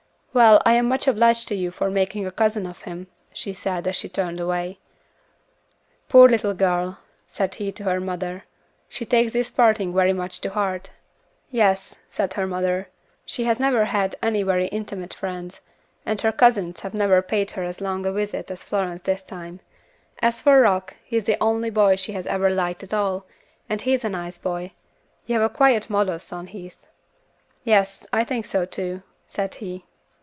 "Well, I am much obliged to you for making a cousin of him," she said, as she turned away. "Poor little girl," said he to her mother, "she takes this parting very much to heart." "Yes," said her mother, "she has never had any very intimate friends, and her cousins have never paid her as long a visit as Florence has this time. As for Rock, he is the only boy she has ever liked at all, and he is a nice boy. You have quite a model son, Heath." "Yes, I think so too," said he.